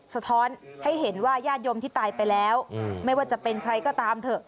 สะท้อนให้เห็นว่าญาติโยมที่ตายไปแล้วไม่ว่าจะเป็นใครก็ตามเถอะ